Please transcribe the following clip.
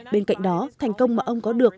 bên cạnh đó thành công mà ông có được